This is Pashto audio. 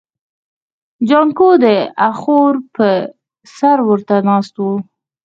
جانکو د اخور پر سر ورته ناست و.